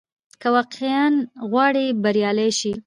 که واقعاً غواړې بریالی سې،